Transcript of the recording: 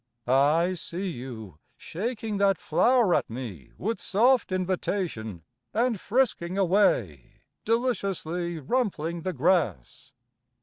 I see you Shaking that flower at me with soft invitation And frisking away, Deliciously rumpling the grass...